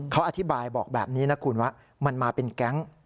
เขาอธิบายบอกแบบนี้นะคุณว่ามันมาเป็นแก๊ง